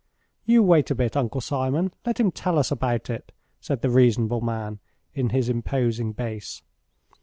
"You wait a bit, Uncle Simon; let him tell us about it," said the reasonable man, in his imposing bass.